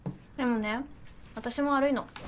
でもね私も悪いの。